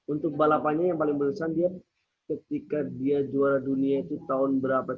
untuk balapannya yang paling berkesan dia ketika dia juara dunia itu tahun berapa